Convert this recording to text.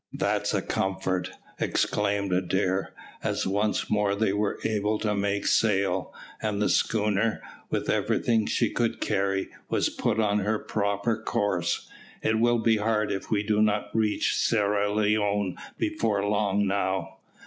"That's a comfort," exclaimed Adair, as once more they were able to make sail, and the schooner, with everything she could carry, was put on her proper course; "it will be hard if we do not reach Sierra Leone before long now."